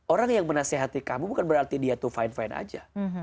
orang yang menasehati kamu bukan berarti dia tuh fine fine aja